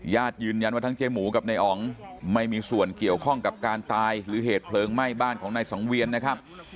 ยืนยันว่าทั้งเจ๊หมูกับนายอ๋องไม่มีส่วนเกี่ยวข้องกับการตายหรือเหตุเพลิงไหม้บ้านของนายสังเวียนนะครับ